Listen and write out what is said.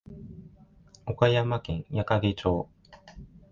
岡山県矢掛町